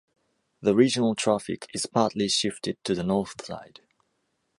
The regional traffic is partly shifted to the north side.